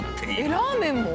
ラーメンも？